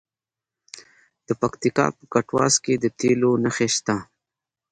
د پکتیکا په کټواز کې د تیلو نښې شته.